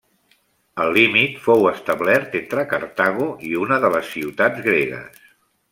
El límit fou establert entre Cartago i una de les ciutats gregues.